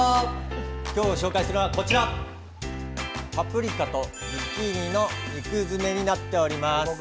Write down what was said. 今日紹介するのはパプリカとズッキーニの肉詰めになっております。